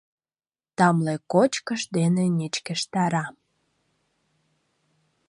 Тамле кочкыш дене нечкештара.